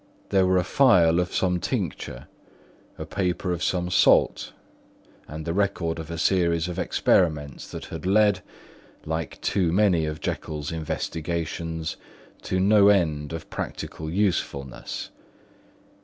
Here were a phial of some salt, and the record of a series of experiments that had led (like too many of Jekyll's investigations) to no end of practical usefulness.